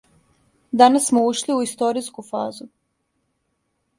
Данас смо ушли у историјску фазу.